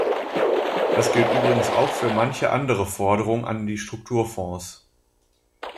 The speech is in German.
Das gilt übrigens auch für manche andere Forderung an die Strukturfonds.